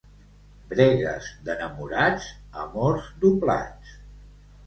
Bregues d'enamorats, amors doblats.